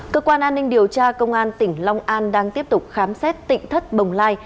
cơ quan an ninh điều tra công an tỉnh long an đang tiếp tục khám xét tỉnh thất bồng lai